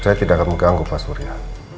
saya tidak akan mengganggu pak surya